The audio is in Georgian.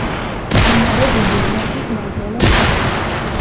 მდინარე დიდი ლიახვის მარჯვენა მხარეს.